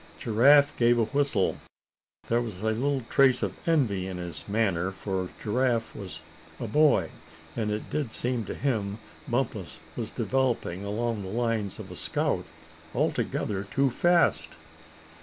Giraffe gave a whistle. There was a little trace of envy in his manner, for Giraffe was a boy, and it did seem to him Bumpus was developing along the lines of a scout altogether too fast.